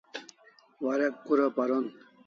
Warek kura paron